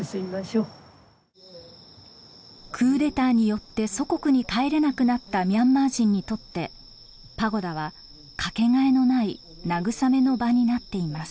クーデターによって祖国に帰れなくなったミャンマー人にとってパゴダはかけがえのない慰めの場になっています。